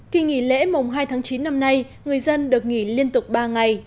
kỳ nghỉ lễ mùng hai tháng chín năm nay người dân được nghỉ liên tục ba ngày